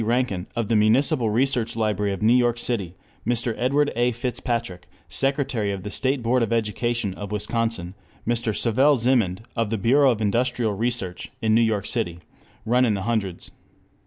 Rankin of the Municipal Reference Library of New York City, Mr. Edward A. Fitzpatrick, Secretary of the State Board of Education (Wisconsin), Mr. Savel Zimand of the Bureau of Industrial Research (New York City), run into the hundreds.